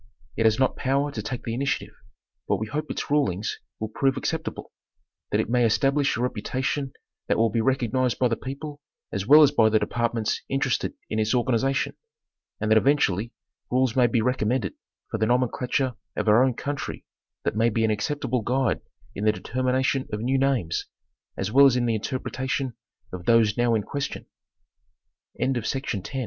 It has not power to take the initiative ; but we hope its rulings will prove acceptable ; that it may establish a reputation that will be recognized by the people as well as by the departments interested in its organization ; and that eventually rules may be recommended for the nomenclature of our own country that may be an acceptable guide in the determination of new names, as well as in the interpretation of those no